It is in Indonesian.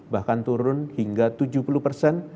bahkan turun hingga tujuh puluh persen